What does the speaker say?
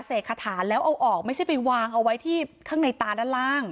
คาถาแล้วเอาออกไม่ใช่ไปวางเอาไว้ที่ข้างในตาด้านล่าง